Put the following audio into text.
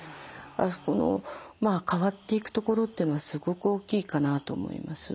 この変わっていくところっていうのはすごく大きいかなと思います。